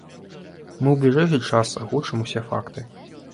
Мы ў бліжэйшы час агучым ўсе факты.